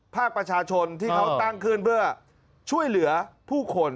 ภาคประชาชนที่เขาตั้งขึ้นเพื่อช่วยเหลือผู้คน